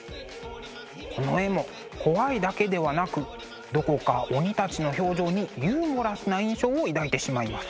この絵も怖いだけではなくどこか鬼たちの表情にユーモラスな印象を抱いてしまいます。